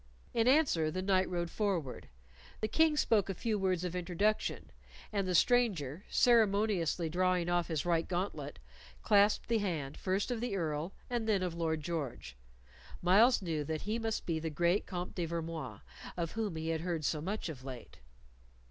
In answer, the knight rode forward; the King spoke a few words of introduction, and the stranger, ceremoniously drawing off his right gauntlet, clasped the hand, first of the Earl, and then of Lord George. Myles knew that he must be the great Comte de Vermoise, of whom he had heard so much of late.